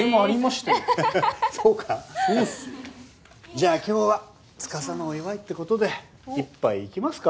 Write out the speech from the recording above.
じゃあ今日は司のお祝いって事で一杯行きますか？